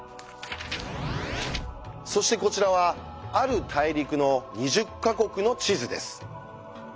そしてこちらはある大陸の２０か国の地図です。